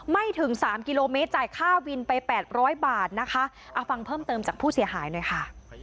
ไม่ถึงสามกิโลเมตรจ่ายค่าวินไปแปดร้อยบาทนะคะเอาฟังเพิ่มเติมจากผู้เสียหายหน่อยค่ะ